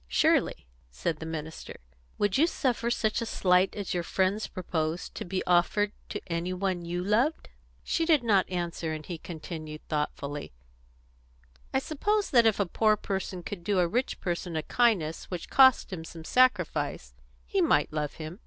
"Surely," said the minister. "Would you suffer such a slight as your friends propose, to be offered to any one you loved?" She did not answer, and he continued, thoughtfully: "I suppose that if a poor person could do a rich person a kindness which cost him some sacrifice, he might love him.